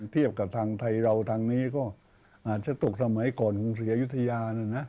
เทียบกับทางไทยเราทางนี้ก็อาจจะตกสมัยก่อนของศรีอยุธยานะนะ